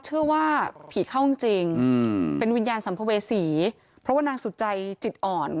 เชื่อว่าผีเข้าจริงเป็นวิญญาณสัมภเวษีเพราะว่านางสุจัยจิตอ่อน